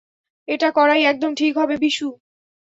এটা করাই একদম ঠিক হবে, বিশু।